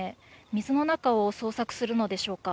水の中を捜索するのでしょうか。